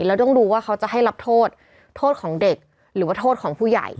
แล้วต้องดูว่าเขาจะให้รับโทษโทษของเด็กหรือว่าโทษของผู้ใหญ่